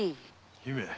姫。